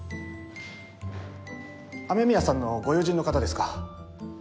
雨宮さんのご友人の方ですか？